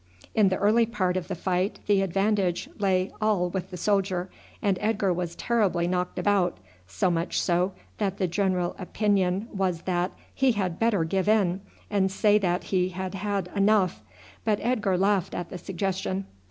In the early part of the fight the advantage lay all with the soldier, and Edgar was terribly knocked about, so much so that the general opinion was that he had better give in and say that he had had enough; but Edgar laughed at the suggestion.